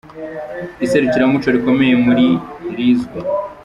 Iserukiramuco Rikomeye muri rizwi.